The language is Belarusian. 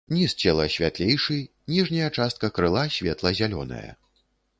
Ніз цела святлейшы, ніжняя частка крыла светла-зялёная.